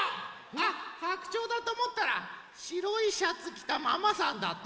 あはくちょうだとおもったらしろいシャツきたママさんだった。